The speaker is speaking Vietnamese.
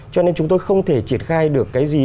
cho nên chúng tôi không thể triển khai được cái gì